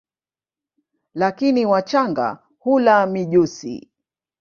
Lakini wachanga hula mijusi.